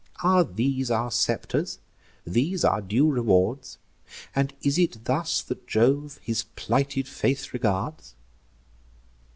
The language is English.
Are these our scepters? these our due rewards? And is it thus that Jove his plighted faith regards?"